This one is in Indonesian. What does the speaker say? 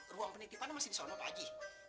ruang penitipan masih di sana pak haji